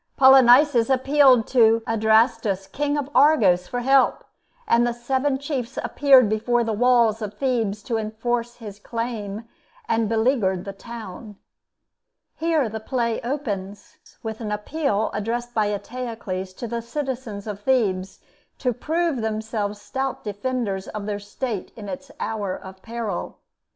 Polynices appealed to Adrastus King of Argos for help, and seven chiefs appeared before the walls of Thebes to enforce his claim, and beleaguered the town. Here the play opens, with an appeal addressed by Eteocles to the citizens of Thebes to prove themselves stout defenders of their State in its hour of peril.